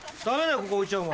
ここ置いちゃお前。